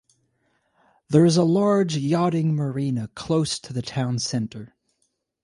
There is a large yachting marina close to the town centre.